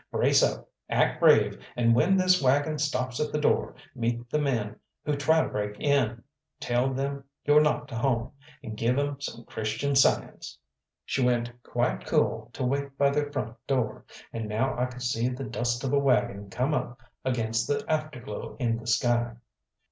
"Brace up; act brave, and when this waggon stops at the door, meet the men who try to break in. Tell them you're not to home, and give 'em some Christian Science." She went quite cool to wait by the front door, and now I could see the dust of a waggon come up against the afterglow in the sky.